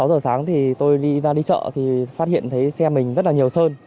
sáu giờ sáng thì tôi đi ra đi chợ thì phát hiện thấy xe mình rất là nhiều sơn